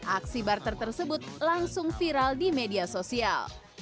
aksi barter tersebut langsung viral di media sosial